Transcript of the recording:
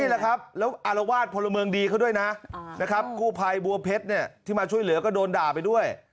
อัารวาฒน์พลเมิงดีเข้าด้วยนะคู่พายบัวเผสที่มาช่วยเหลือก็โดนด่าไปด้วย